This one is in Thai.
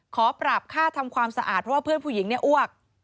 ขอปรับค่าทำความสะอาดเพราะว่าเพื่อนผู้หญิงเนี่ยอ้วก